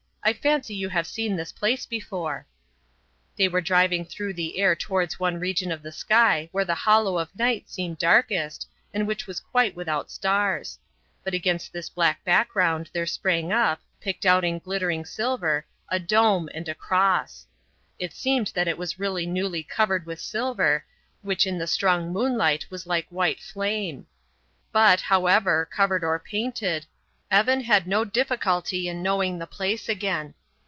"I fancy you have seen this place before." They were driving through the air towards one region of the sky where the hollow of night seemed darkest and which was quite without stars. But against this black background there sprang up, picked out in glittering silver, a dome and a cross. It seemed that it was really newly covered with silver, which in the strong moonlight was like white flame. But, however, covered or painted, Evan had no difficult in knowing the place again.